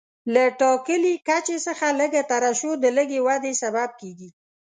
له ټاکلي کچې څخه لږه ترشح د لږې ودې سبب کېږي.